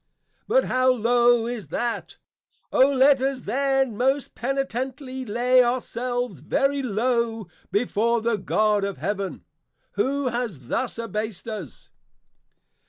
But how Low is that! O let us then most penitently lay our selves very Low before the God of Heaven, who has thus Abased us.